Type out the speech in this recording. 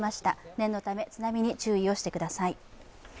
念のため津波に注意してください。